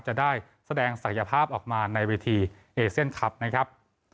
จะได้แสดงศักยภาพออกมาในเวทีเอเซียนคลับนะครับ